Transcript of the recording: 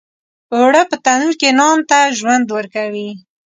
اوړه په تنور کې نان ته ژوند ورکوي